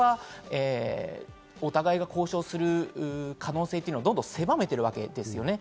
お互いが交渉する可能性というのをどんどん狭めているわけですよね。